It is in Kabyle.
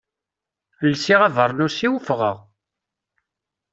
Lsiɣ abernus-iw, ffɣeɣ.